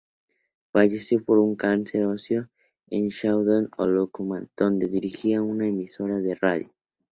Falleció por un cáncer óseo en Shawnee, Oklahoma, donde dirigía una emisora de radio.